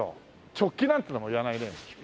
チョッキなんてのも言わないね。